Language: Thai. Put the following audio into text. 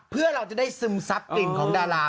เพื่อเราจะได้ซึมซับกลิ่นของดารา